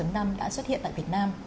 đã xuất hiện tại việt nam